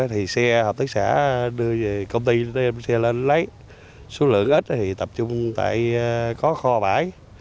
thì xe hợp tác xã đưa về công ty đem xe lên lấy số lượng ít thì tập trung tại có kho bãi